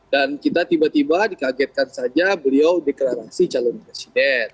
dan kita tiba tiba dikagetkan saja beliau deklarasi calon presiden